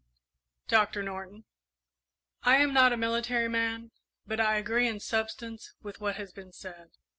"Doctor Norton?" "I am not a military man, but I agree in substance with what has been said."